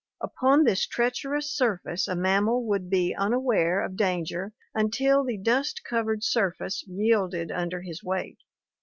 Upon this treacher ous surface a mammal would be unaware of danger until the dust covered surface yielded under his weight.